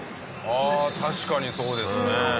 ああ確かにそうですね。